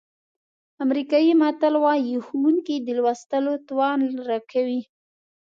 امریکایي متل وایي ښوونکي د لوستلو توان راکوي.